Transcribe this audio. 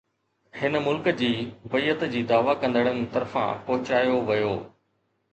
هن ملڪ جي بيعت جي دعوي ڪندڙن طرفان پهچايو ويو